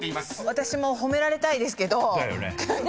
私も褒められたいですがで